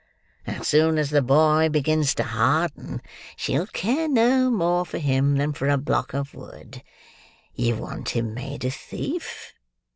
As soon as the boy begins to harden, she'll care no more for him, than for a block of wood. You want him made a thief.